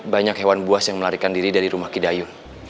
banyak hewan buas yang melarikan diri dari rumah kidayu